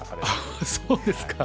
あっそうですか。